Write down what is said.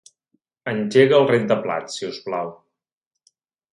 Engega el rentaplats siusplau!